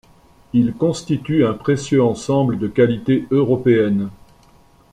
Ils constituent un précieux ensemble de qualité européenne.